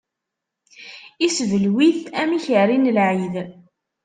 Iseblew-it, am ikerri n lɛid.